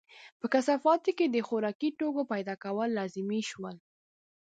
په کثافاتو کې د خوراکي توکو پیدا کول لازمي شول.